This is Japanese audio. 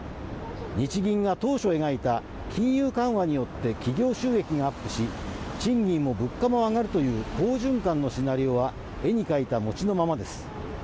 日銀が当初描いた金融緩和によって企業収益がアップし賃金も物価も上がるという好循環のシナリオは、絵に描いた餅のままです。